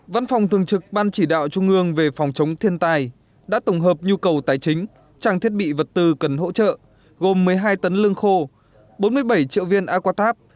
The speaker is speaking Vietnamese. văn phòng thường trực ban chỉ đạo trung ương về phòng chống thiên tai đã tổng hợp nhu cầu tài chính trang thiết bị vật tư cần hỗ trợ gồm một mươi hai tấn lương khô bốn mươi bảy triệu viên aquatab